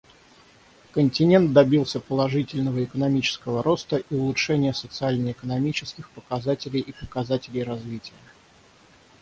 Континент добился положительного экономического роста и улучшения социально-экономических показателей и показателей развития.